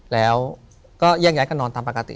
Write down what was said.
แล้วก็แยกก็นอนตามปกติ